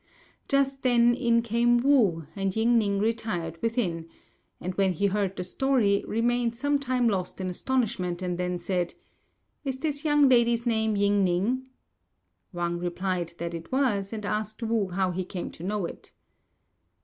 Just then in came Wu, and Ying ning retired within; and when he heard the story, remained some time lost in astonishment, and then said, "Is this young lady's name Ying ning?" Wang replied that it was, and asked Wu how he came to know it.